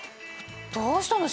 どうしたの！？